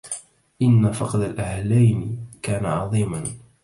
إن فقد الأهلين كان عظيما